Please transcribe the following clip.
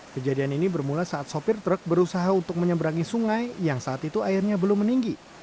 kejadian ini bermula saat sopir truk berusaha untuk menyeberangi sungai yang saat itu airnya belum meninggi